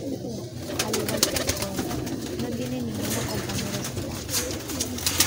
Al igual que el Sol, no tiene ninguna compañera estelar.